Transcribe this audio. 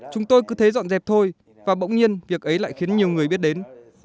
chúng tôi cứ thế dọn dẹp thôi và bỗng nhiên việc ấy lại khiến nhiều người biết đến